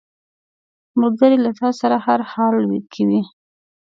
ملګری له تا سره هر حال کې وي